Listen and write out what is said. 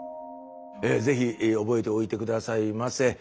ぜひ覚えておいて下さいませ。